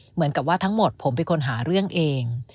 เหมือนกับว่าทั้งหมดผมเป็นคนหาเรื่องเอง